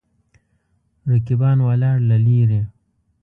رقیبان ولاړ له لرې.